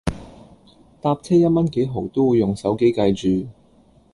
搭車一蚊幾毫都會用手機計住